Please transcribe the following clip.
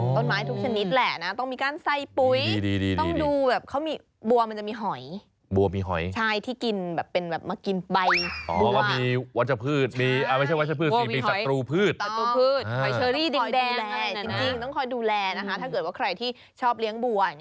ต้นไม้ทุกชนิดแหละนะต้องมีการใส่ปุ๋ย